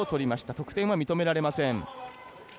得点を認められません。